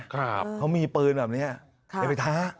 เขามีปืนแบบนี้อย่าไปท้า